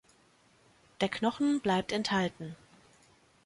Der Knochen bleibt enthalten.